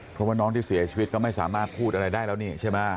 เพราะว่าน้องที่เสียชีวิตก็ไม่สามารถพูดอะไรได้แล้วนี่ใช่ไหม